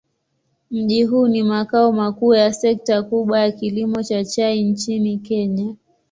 Mji huu ni makao makuu ya sekta kubwa ya kilimo cha chai nchini Kenya.